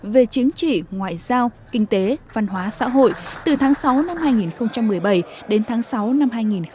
về chiến trị ngoại giao kinh tế văn hóa xã hội từ tháng sáu năm hai nghìn một mươi bảy đến tháng sáu năm hai nghìn một mươi chín